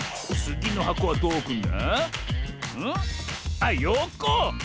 あっよこ！